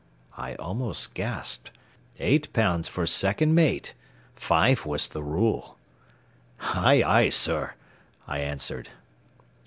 I almost gasped. Eight pounds for second mate! Five was the rule. "Aye, aye, sir," I answered.